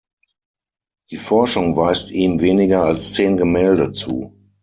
Die Forschung weist ihm weniger als zehn Gemälde zu.